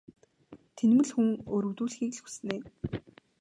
Тэнэмэл хүн өрөвдүүлэхийг л хүснэ ээ.